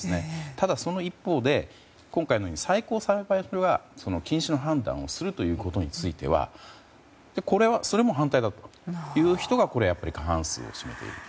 ただ、その一方で今回のように最高裁判所が禁止の判断をするということについてはそれも反対だという人がこれ、やっぱり過半数を占めていると。